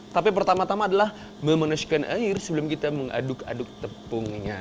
tapi pertama tama adalah memanaskan air sebelum kita mengaduk aduk tepungnya